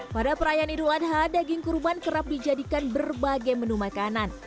pada perayaan idul adha daging kurban kerap dijadikan berbagai menu makanan